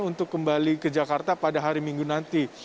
untuk kembali ke jakarta pada hari minggu nanti